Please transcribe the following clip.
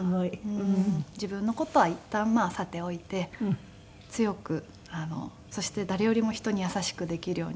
自分の事はいったんさておいて強くそして誰よりも人に優しくできるように。